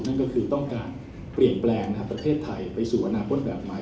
นั่นก็คือต้องการเปลี่ยนแปลงประเทศไทยไปสู่อนาคตแบบใหม่